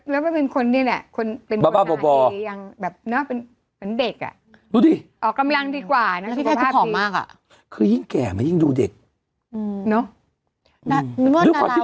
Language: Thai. แล้วมันเป็นคนเนี่ยเนี่ย